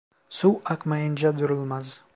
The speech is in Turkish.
Su akmayınca durulmaz.